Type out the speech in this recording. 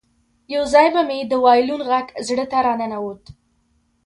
یو ځای به مې د وایلون غږ زړه ته راننوت